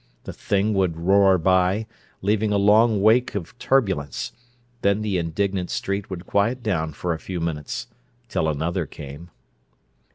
The thing would roar by, leaving a long wake of turbulence; then the indignant street would quiet down for a few minutes—till another came.